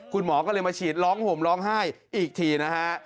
คุณหมอก็เลยมาฉีดร้องห่มร้องไห้อีกทีนะฮะ